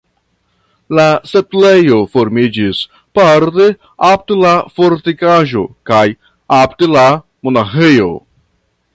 La setlejo formiĝis parte apud la fortikaĵo kaj apud la monaĥejo.